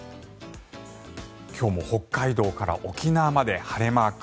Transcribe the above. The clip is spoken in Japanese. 今日も北海道から沖縄まで晴れマーク。